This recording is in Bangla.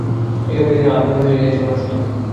একেবারে যেন আধমরা হইয়া গিয়াছে মানুষটা।